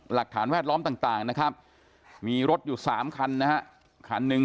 แวดล้อมต่างนะครับมีรถอยู่๓คันนะฮะคันหนึ่ง